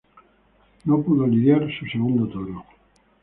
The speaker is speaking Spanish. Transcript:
No pudo lidiar su segundo toro.